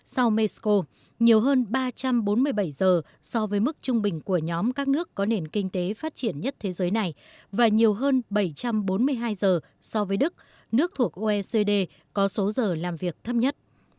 sau mexico nhiều hơn ba trăm bốn mươi bảy giờ so với mức trung bình của nhóm các nước có nền kinh tế phát triển nhất thế giới này và nhiều hơn bảy trăm bốn mươi hai giờ so với đức nước thuộc oecd có số giờ làm việc thấp nhất